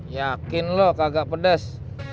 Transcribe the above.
yakin lu kagak pedas